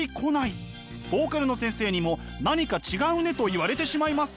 ボーカルの先生にも「何か違うね」と言われてしまいます。